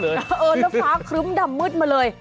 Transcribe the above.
เออรัฐฟ้าครึ้มดำมืดมาเลย